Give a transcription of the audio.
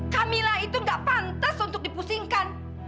kamila itu gak pantas untuk dipusingkan